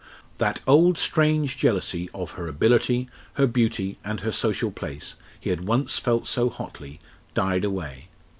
That old strange jealousy of her ability, her beauty, and her social place, he had once felt so hotly, died away.